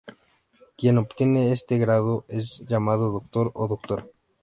Quien obtiene este grado es llamado doctor o doctora.